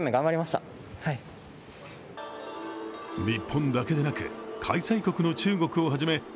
日本だけでなく開催国の中国をはじめ